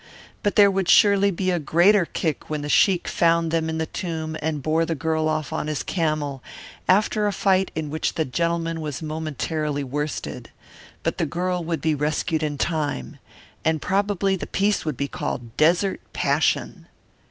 But there would surely be a greater kick when the sheik found them in the tomb and bore the girl off on his camel, after a fight in which the gentleman was momentarily worsted. But the girl would be rescued in time. And probably the piece would be called Desert Passion.